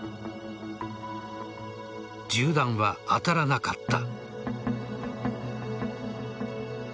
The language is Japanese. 銃弾は当たらなかった。